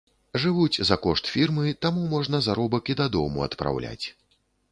Жывуць за кошт фірмы, таму можна заробак і дадому адпраўляць.